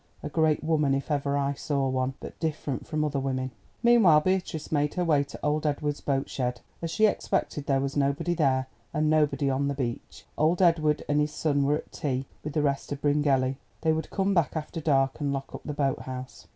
A great woman, if ever I saw one, but different from other women." Meanwhile Beatrice made her way to old Edward's boat shed. As she expected, there was nobody there, and nobody on the beach. Old Edward and his son were at tea, with the rest of Bryngelly. They would come back after dark and lock up the boat house.